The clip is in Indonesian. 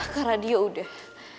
ke radio udah